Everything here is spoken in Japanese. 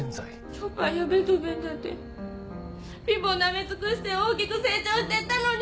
ショパンやベートーヴェンだって貧乏をなめつくして大きく成長してったのに。